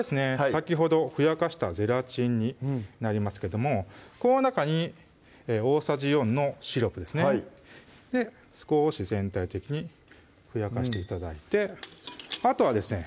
先ほどふやかしたゼラチンになりますけどもこの中に大さじ４のシロップですね少し全体的にふやかして頂いてあとはですね